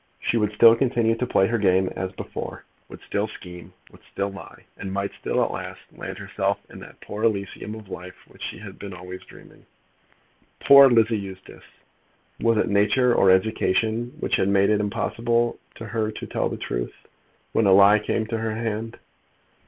She would still continue to play her game as before, would still scheme, would still lie; and might still, at last, land herself in that Elysium of life of which she had been always dreaming. Poor Lizzie Eustace! Was it nature or education which had made it impossible to her to tell the truth, when a lie came to her hand?